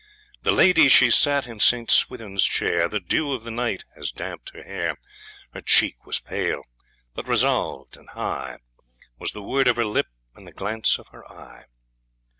The Lady she sat in Saint Swithin's Chair, The dew of the night has damp'd her hair: Her cheek was pale; but resolved and high Was the word of her lip and the glance of her eye.